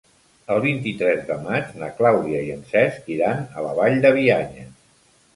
El vint-i-tres de maig na Clàudia i en Cesc iran a la Vall de Bianya.